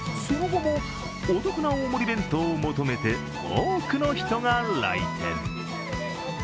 その後も、お得な大盛り弁当を求めて、多くの人が来店。